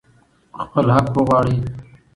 خپل حق وغواړئ.